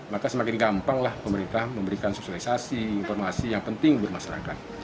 maka semakin gampang lah pemerintah memberikan sosialisasi informasi yang penting buat masyarakat